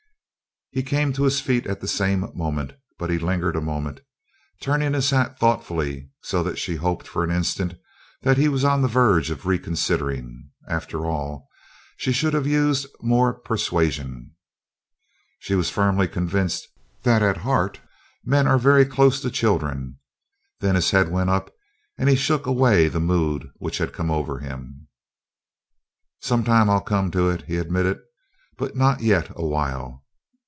He came to his feet at the same moment, but still he lingered a moment, turning his hat thoughtfully so that she hoped, for an instant, that he was on the verge of reconsidering. After all, she should have used more persuasion; she was firmly convinced that at heart men are very close to children. Then his head went up and he shook away the mood which had come over him. "Some time I'll come to it," he admitted. "But not yet a while.